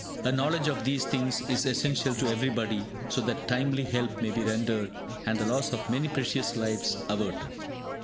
A knowledge of these things is essential to everybody, so that timely help may be rendered, and the loss of many precious lives averted.